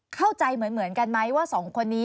เข้าใจเหมือนกันไหมว่าสองคนนี้